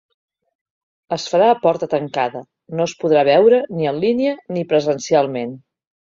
Es farà a porta tancada, no es podrà veure ni en línia ni presencialment.